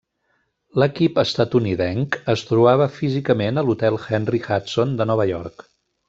L'equip estatunidenc es trobava físicament a l'Hotel Henry Hudson de Nova York.